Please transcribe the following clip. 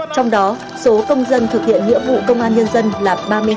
trong đó số công dân thực hiện nghĩa vụ công an nhân dân là ba mươi hai